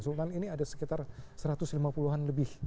sultan ini ada sekitar satu ratus lima puluh an lebih